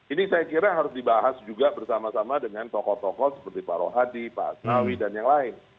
ini saya kira harus dibahas juga bersama sama dengan tokoh tokoh seperti pak rohadi pak asnawi dan yang lain